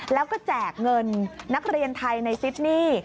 แล้วก็แจกเงินนักเรียนไทยในซิดนี่